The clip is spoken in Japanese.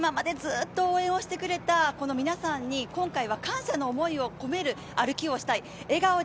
今まで、ずっと応援をしてくれた皆さんに今回は感謝の思いを込める歩きをしたい。